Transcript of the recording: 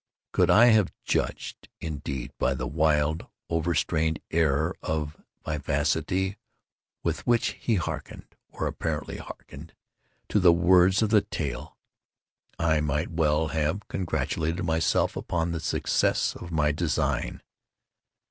Could I have judged, indeed, by the wild overstrained air of vivacity with which he harkened, or apparently harkened, to the words of the tale, I might well have congratulated myself upon the success of my design.